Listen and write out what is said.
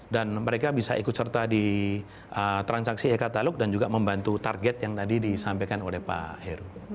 dan mereka bisa ikut serta di transaksi e katalog dan juga membantu target yang tadi disampaikan oleh pak heru